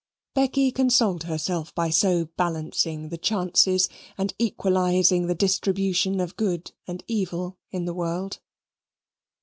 Becky consoled herself by so balancing the chances and equalizing the distribution of good and evil in the world.